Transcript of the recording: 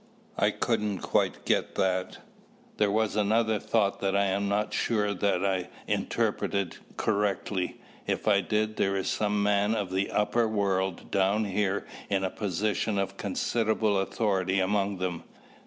"I couldn't quite get that. There was another thought that I am not sure that I interpreted correctly. If I did, there is some man of the upper world down here in a position of considerable authority among them.